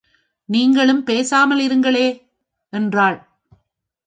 நீங்களும் பேசாமல் இருக்கேளே? என்றாள்.